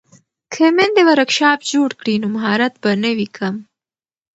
که میندې ورکشاپ جوړ کړي نو مهارت به نه وي کم.